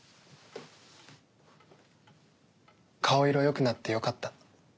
顔色よくなってよかった。